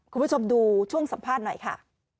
คุณผู้ชมดูช่วงสัมภาษณ์หน่อยค่ะ